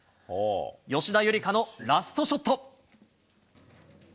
吉田夕梨花のラストショット。